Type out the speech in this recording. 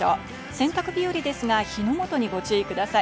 洗濯日和ですが火の元にご注意ください。